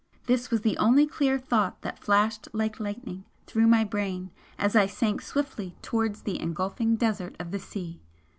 This was the only clear thought that flashed like lightning through my brain as I sank swiftly towards the engulfing desert of the sea!